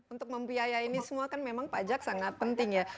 untuk membiayai ini semua kan memang pajak sangat penting ya